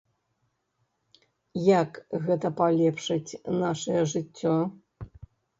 Як гэта палепшыць нашае жыццё?